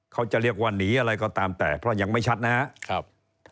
เขาจะเรียกว่าหนีอะไรก็ตามแต่เพราะยังไม่ชัดนะครับ